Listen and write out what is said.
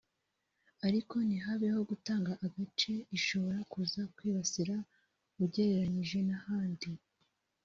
ariko ntihabeho gutanga agace ishobora kuza kwibasira ugereranyije n’ahandi